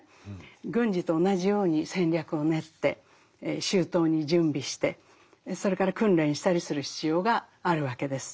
軍事と同じように戦略を練って周到に準備してそれから訓練したりする必要があるわけです。